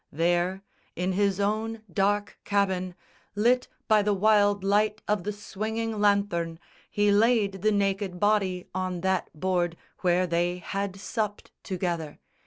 There, in his own dark cabin, Lit by the wild light of the swinging lanthorn, He laid the naked body on that board Where they had supped together.